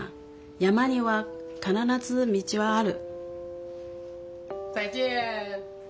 「山には必ず道はある」。